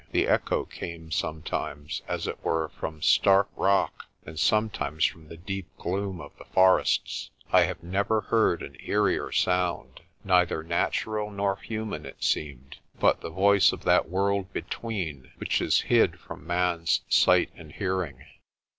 The echo came sometimes, as it were, from stark rock, and sometimes from the deep gloom of the forests. I have never heard an eerier sound. Neither natural nor human it seemed, but the voice of that world between which is hid from man's sight and hearing.